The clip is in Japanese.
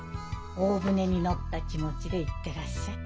大船に乗った気持ちで行ってらっしゃい。